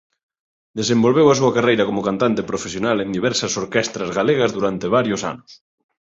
Desenvolveu a súa carreira como cantante profesional en diversas orquestras galegas durante varios anos.